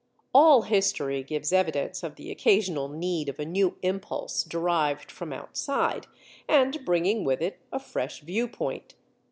All history gives evidence of the occasional need of a new impulse derived from outside, and bringing with it a fresh view point.